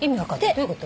どういうこと？